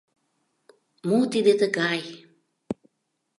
— Мо тиде тыгай!